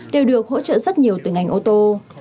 đều được hỗ trợ rất nhiều từ ngành ô tô